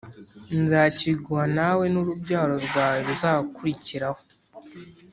nzakiguha nawe n urubyaro rwawe ruzakurikiraho